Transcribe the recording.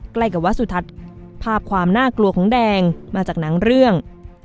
ใกล้กับวัดสุทัศน์ภาพความน่ากลัวของแดงมาจากหนังเรื่อง